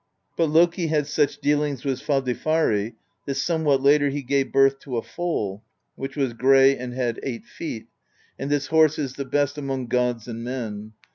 But Loki had such dealings with Sva dilfari, that somewhat later he gave birth to a foal, which was gray and had eight feet; and this horse is the best among gods and men.